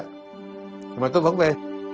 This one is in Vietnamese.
nhưng mà tôi vẫn về